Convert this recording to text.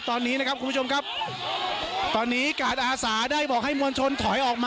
ตอนนี้นะครับคุณผู้ชมครับตอนนี้กาดอาสาได้บอกให้มวลชนถอยออกมา